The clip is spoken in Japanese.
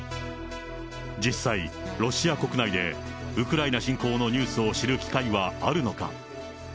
実際、ロシア国内でウクライナ侵攻のニュースを知る機会はあるのか。